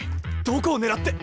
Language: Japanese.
どこを狙って？